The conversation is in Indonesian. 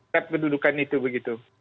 set kedudukan itu begitu